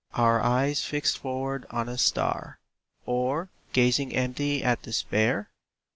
Our eyes fixed forward on a star? Or gazing empty at despair?